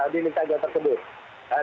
jadi itu yang menyebabkan penambang tersebut